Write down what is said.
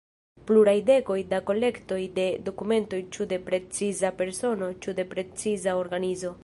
Pluraj dekoj da kolektoj de dokumentoj ĉu de preciza persono ĉu de preciza organizo.